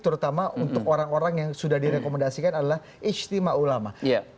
terutama untuk orang orang yang sudah direkomendasikan adalah istimewa ulama